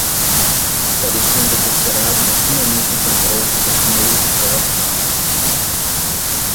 Parecia um desesperado que finalmente encontrou seus meios de salvação.